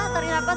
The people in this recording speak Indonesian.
tarik nafas terus